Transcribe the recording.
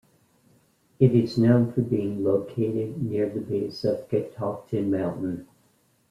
It is known for being located near the base of Catoctin Mountain.